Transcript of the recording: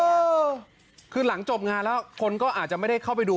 เออคือหลังจบงานแล้วคนก็อาจจะไม่ได้เข้าไปดู